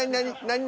何？